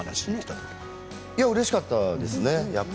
いや、うれしかったですね。